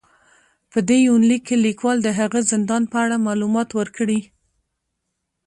په دې يونليک کې ليکوال د هغه زندان په اړه معلومات ور کړي